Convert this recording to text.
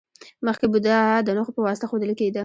مخکې بودا د نښو په واسطه ښودل کیده